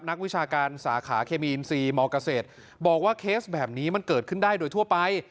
นักวิชาการสาขาเคมีอินซีมเกษตรบอกว่าเคสแบบนี้มันเกิดขึ้นได้โดยทั่วไป